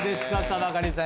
バカリさん